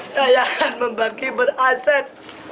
saya akan membagi beraset